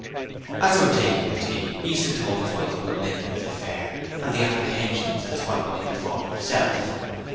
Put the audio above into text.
As they were taking their tea Easton told his wife about Linden's affair and his apprehensions as to what might befall himself.